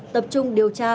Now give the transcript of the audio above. tập trung điều tra